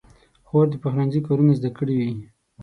خور د پخلنځي کارونه زده کړي وي.